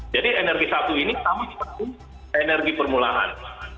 jadi energi dua ribu dua puluh satu ini sama seperti energi permulangan